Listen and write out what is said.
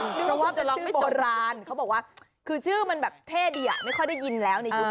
เพราะว่าเป็นชื่อโบราณเขาบอกว่าคือชื่อมันแบบเท่ดีไม่ค่อยได้ยินแล้วในยุคนี้